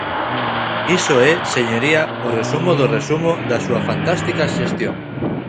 Iso é, señoría, o resumo do resumo da súa fantástica xestión.